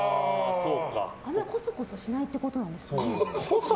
あんまりこそこそしないってことなんですね。